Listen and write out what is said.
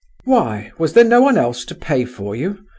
"Why? Was there no one else to pay for you?"